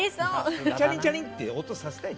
チャリンチャリンって音をさせたい。